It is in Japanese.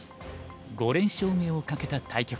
５連勝目をかけた対局。